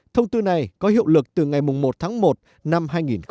thông tư này có hiệu lực từ ngày một tháng một năm hai nghìn một mươi tám